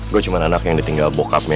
gue cuman anak yang ditinggal bokapnya